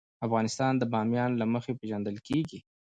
افغانستان د بامیان له مخې پېژندل کېږي.